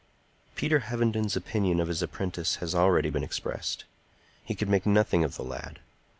Peter Hovenden's opinion of his apprentice has already been expressed. He could make nothing of the lad.